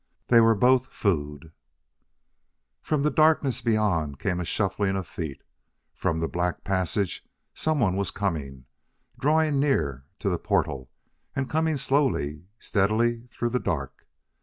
They were both food! From the darkness beyond came a shuffling of feet. From the black passage someone was coming drawing near to the portal and coming slowly, steadily through the dark.